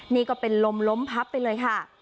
นี่ก็เป็นลมล้มพับไปเลยค่ะ